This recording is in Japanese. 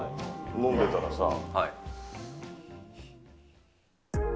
飲んでたらさあ。